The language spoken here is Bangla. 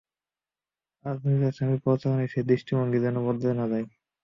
আজ নিজের স্বামীর প্ররোচনায় সে দৃষ্টিভঙ্গি যেন বদলে না যায়।